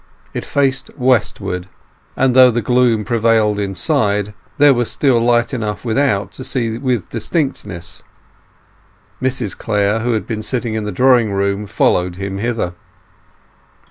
It faced westward, and though gloom prevailed inside, there was still light enough without to see with distinctness. Mrs Clare, who had been sitting in the drawing room, followed him hither.